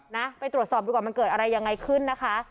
นะไปตรวจสอบดูก่อนมันเกิดอะไรยังไงขึ้นนะคะ